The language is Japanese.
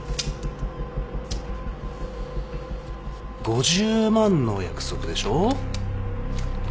５０万の約束でしょ？